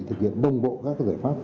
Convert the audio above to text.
thực hiện đồng bộ các giải pháp